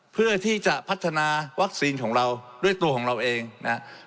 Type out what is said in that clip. เพื่อที่จะพัฒนาวัคซีนของเราด้วยตัวของเราเองนะครับ